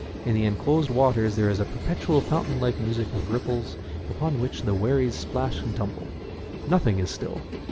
In the enclosed waters there is a perpetual fountain like music of ripples upon which the wherries splash and tumble. Nothing is still.